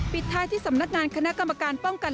ปิดท้ายที่สำนักงานคณะกรรมการป้องกัน